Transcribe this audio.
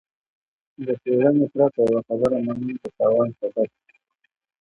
له څېړنې پرته يوه خبره منل د تاوان سبب کېږي.